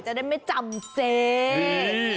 จะได้ไม่จำเจ